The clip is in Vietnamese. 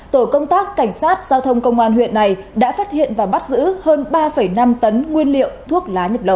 tổ công tác cảnh sát giao thông công an huyện này đã phát hiện và bắt giữ hơn ba năm tấn nguyên liệu thuốc lá nhập lậu